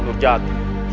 menurut pandangan senurjata